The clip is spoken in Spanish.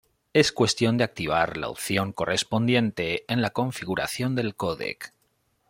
Es cuestión de activar la opción correspondiente en la configuración del codec.